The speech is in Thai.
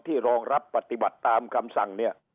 รองรับปฏิบัติตามคำสั่งเนี่ย